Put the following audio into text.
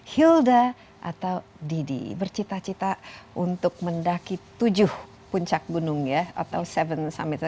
hilda atau didi bercita cita untuk mendaki tujuh puncak gunung ya atau tujuh summits